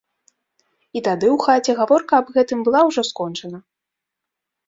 І тады ў хаце гаворка аб гэтым была ўжо скончана.